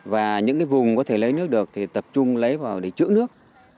và những cái vùng có thể lấy nước được thì tập trung lấy vào để chữa nước